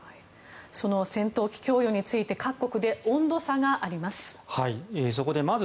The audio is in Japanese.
戦闘機供与について各国で温度差があります。